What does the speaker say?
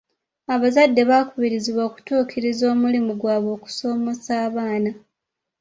Abazadde bakubirizibwa okutuukiriza omulimu gwaabwe ogw'okusomesa abaana.